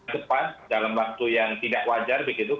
cepat dalam waktu yang tidak wajar begitu